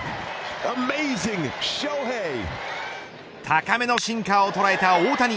高めのシンカーを捉えた大谷。